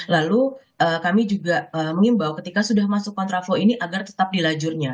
lalu kami juga mengimbau ketika sudah masuk kontraflow ini agar tetap di lajurnya